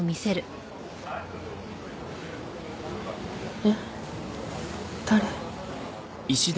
えっ？誰？